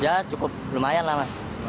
ya cukup lumayan lah mas